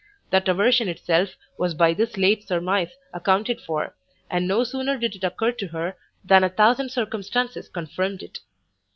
That aversion itself was by this late surmise accounted for, and no sooner did it occur to her, than a thousand circumstances confirmed it.